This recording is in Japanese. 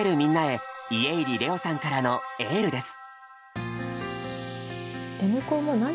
家入レオさんからのエールです！